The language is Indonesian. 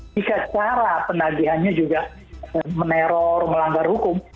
jika cara penagihannya juga meneror melanggar hukum